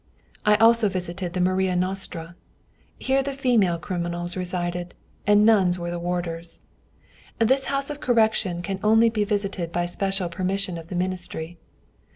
I also visited the Maria Nostra. Here the female criminals resided, and nuns were the warders. This house of correction can only be visited by special permission of the Ministry.